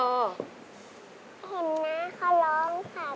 เห็นน้าเขาร้องค่ะ